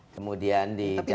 kemudian di jakarta